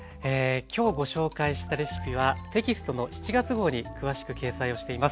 今日ご紹介したレシピはテキストの７月号に詳しく掲載をしています。